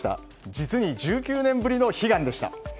実に１９年ぶりの悲願でした。